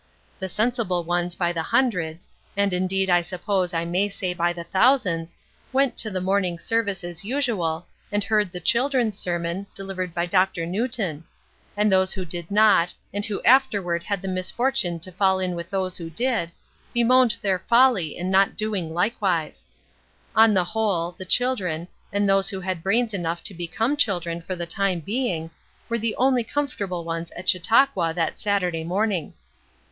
The sensible ones by the hundreds, and indeed I suppose I may say by the thousands, went to the morning service, as usual, and heard the children's sermon, delivered by Dr. Newton; and those who did not, and who afterward had the misfortune to fall in with those who did, bemoaned their folly in not doing likewise. On the whole, the children, and those who had brains enough to become children for the time being, were the only comfortable ones at Chautauqua that Saturday morning.